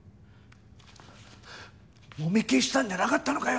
もみ消したんじゃなかったのかよ